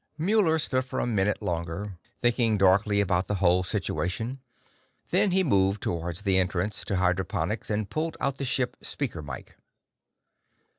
Muller stood for a minute longer, thinking darkly about the whole situation. Then he moved toward the entrance to hydroponics and pulled out the ship speaker mike.